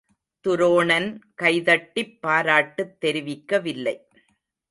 துரோணன் கைதட்டிப் பாராட்டுத் தெரிவிக்க வில்லை.